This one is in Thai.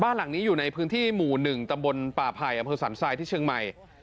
บ้านหลังนี้อยู่ในพื้นที่หมู่หนึ่งตำบลป่าไพรอาเมืองศรรษัตริย์ที่เชิงใหม่